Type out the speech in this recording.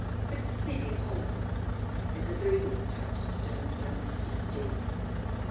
But Sleepy Hollow is a very good touchstone of domesticity.